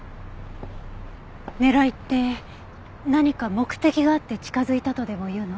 狙いって何か目的があって近づいたとでもいうの？